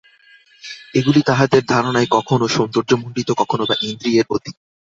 এগুলি তাহাদের ধারণায় কখনও সৌন্দর্যমণ্ডিত, কখনও বা ইন্দ্রিয়ের অতীত।